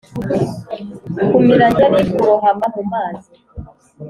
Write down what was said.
kumira nkeri: kurohama mu mazi